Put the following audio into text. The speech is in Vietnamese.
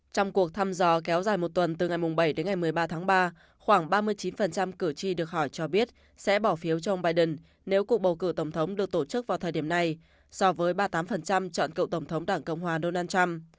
trong cuộc thăm dò kéo dài một tuần từ ngày bảy đến ngày một mươi ba tháng ba khoảng ba mươi chín cử tri được hỏi cho biết sẽ bỏ phiếu trong ông biden nếu cuộc bầu cử tổng thống được tổ chức vào thời điểm này so với ba mươi tám chọn cựu tổng thống đảng cộng hòa donald trump